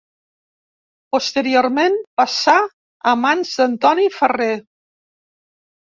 Posteriorment passà a mans d'Antoni Ferrer.